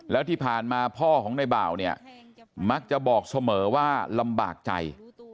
แล้วที่ผ่านมาพ่อของในบ่าวเนี่ยมักจะบอกเสมอว่าลำบากใจ